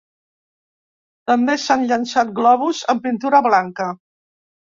També li han llençat globus amb pintura blanca.